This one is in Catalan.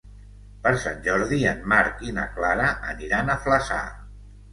Per Sant Jordi en Marc i na Clara aniran a Flaçà.